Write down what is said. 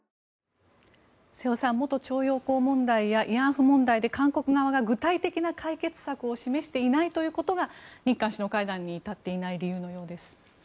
瀬尾さん元徴用工問題や慰安婦問題で韓国側が具体的な解決策を示していないことが日韓首脳会談に至っていない理由のようです。